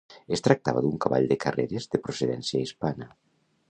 Es tractava d'un cavall de carreres de procedència hispana.